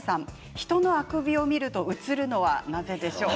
人のあくびを見るとうつるのはなぜでしょう。